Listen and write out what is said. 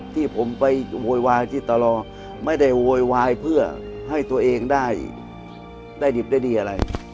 ที่ผมไปโวยวายที่ตรอไม่ได้โวยวายเพื่อให้ตัวเองได้ดิบได้ดีอะไร